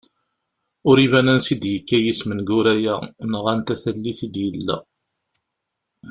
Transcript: Ur iban ansi d-yekka yisem n Guraya neɣ anta tallit i d-yella.